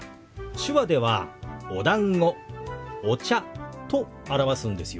手話では「おだんご」「お茶」と表すんですよ。